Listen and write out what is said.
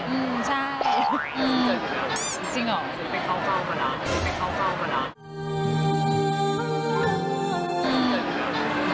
เป็นเข้าเฝ้ามาแล้ว